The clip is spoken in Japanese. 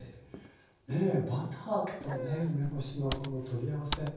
ねえバターとねえ梅干しのこの取り合わせ。